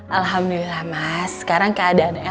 alhamdulillah mas sekarang keadaan el